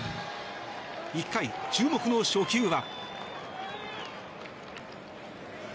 １回、注目の初球は。